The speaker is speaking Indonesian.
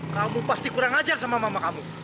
kamu pasti kurang ajar sama mama kamu